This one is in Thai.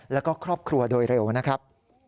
แล้วก็ครอบครัวโดยเร็วนะครับ